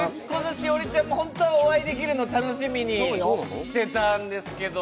栞里ちゃんもホントはお会いできるのを楽しみにしてたんですけど。